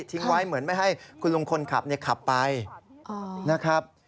ทิ้งไว้เหมือนไม่ให้คุณลุงคนขับขับไปนะครับ